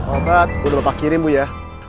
obat udah bapak kirim bu ya